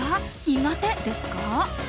苦手ですか？